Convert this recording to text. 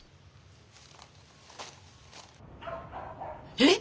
えっ！？